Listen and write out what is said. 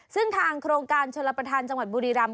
ซึ่งทางโครงการชนรับประทานจังหวัดบุรีรำ